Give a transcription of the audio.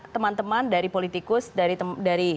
teman teman dari politikus dari